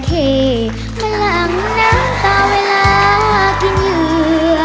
โจราเคมาหลังน้ำตาเวลากินเหยื่อ